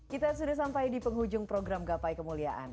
kita sudah sampai di penghujung program gapai kemuliaan